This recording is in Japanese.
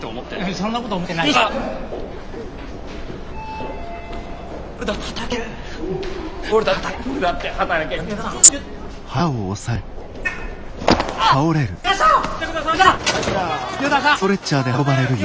そんなこと思ってないよ。